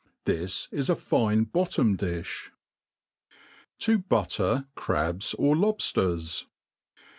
This is a fine bottom diib. . To butter Crabs or Lob/lers.